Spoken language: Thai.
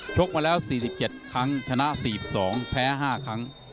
กมาแล้ว๔๗ครั้งชนะ๔๒แพ้๕ครั้ง